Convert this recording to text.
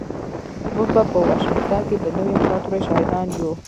موږ به په واشنګټن کې د نوې امپراتورۍ شاهدان یو